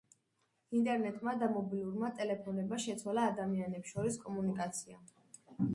ინტერნეტმა და მობილურმა ტელეფონებმა შეცვალა ადამიანებს შორის კომუნიკაცია.